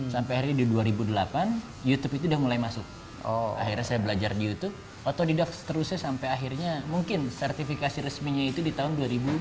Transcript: sampai hari ini di dua ribu delapan youtube itu udah mulai masuk akhirnya saya belajar di youtube otodidak seterusnya sampai akhirnya mungkin sertifikasi resminya itu di tahun dua ribu tujuh belas